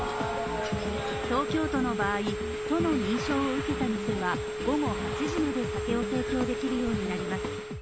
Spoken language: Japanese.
東京都の場合、都の認証を受けた店には午後８時まで酒を提供をできるようになります。